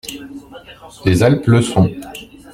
Les Alpes le sont.